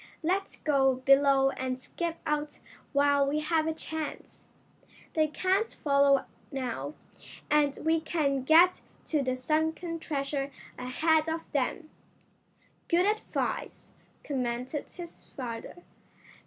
"Let's go below and skip out while we have a chance. They can't follow now, and we can get to the sunken treasure ahead of them." "Good advice," commented his father.